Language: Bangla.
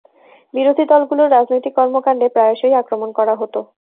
বিরোধী দলগুলোর রাজনৈতিক কর্মকাণ্ডে প্রায়শই আক্রমণ করা হত।